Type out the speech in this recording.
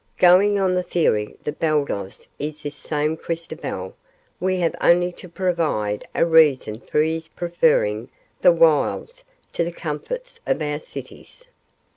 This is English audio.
Going on the theory that Baldos is this same Christobal, we have only to provide a reason for his preferring the wilds to the comforts of our cities.